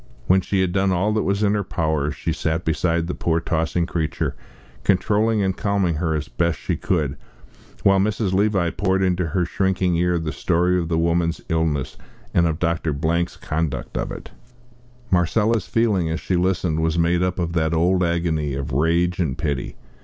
When she had done all that was in her power, she sat beside the poor tossing creature, controlling and calming her as best she could, while Mrs. Levi poured into her shrinking ear the story of the woman's illness and of Dr. Blank's conduct of it. Marcella's feeling, as she listened, was made up of that old agony of rage and pity!